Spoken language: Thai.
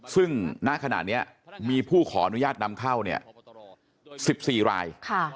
ซึ่งณขนาดเนี่ยมีผู้ขอนุญาตนำเข้าเนี่ย๑๔ราย